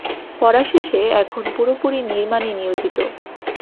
পড়া শেষে এখন পুরোপুরি নির্মাণে নিয়োজিত।